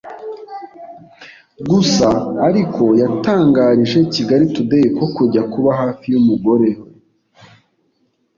Gusa ariko yatangarije Kigali Today ko kujya kuba hafi y’umugore we